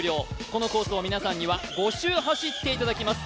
このコースを皆さんには５周走っていただきます。